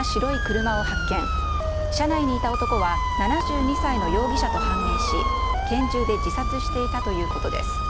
車内にいた男は７２歳の容疑者と判明し、拳銃で自殺していたということです。